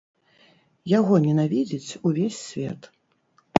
Яго ненавідзіць увесь свет.